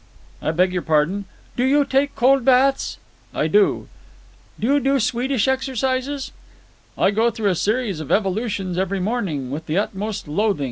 "I beg your pardon?" "Do you take cold baths?" "I do." "Do you do Swedish exercises?" "I go through a series of evolutions every morning, with the utmost loathing.